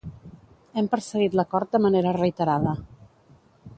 Hem perseguit l’acord de manera reiterada